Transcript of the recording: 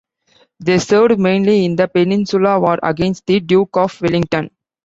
They served mainly in the Peninsula War against the Duke of Wellington.